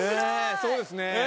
そうですね。